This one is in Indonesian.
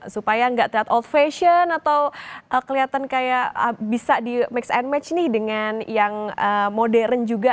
supaya nggak terlihat old fashion atau kelihatan kayak bisa di mix and match nih dengan yang modern juga